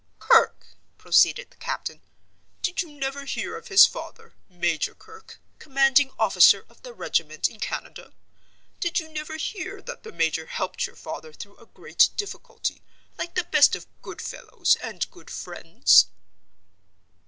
"Kirke," proceeded the captain. "Did you never hear of his father, Major Kirke, commanding officer of the regiment in Canada? Did you never hear that the major helped your father through a great difficulty, like the best of good fellows and good friends?"